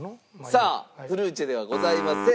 さあフルーチェではございません。